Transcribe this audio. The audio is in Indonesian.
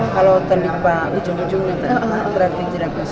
kalau terlupa ujung ujungnya terlupa terhenti tidak bisa